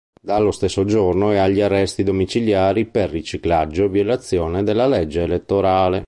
Dallo stesso giorno è agli arresti domiciliari per riciclaggio e violazione della legge elettorale.